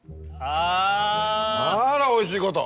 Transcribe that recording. あらおいしいこと！